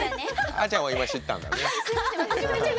あちゃんは今、知ったんだね。